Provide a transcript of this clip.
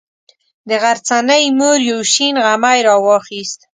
د غرڅنۍ مور یو شین غمی راواخیست.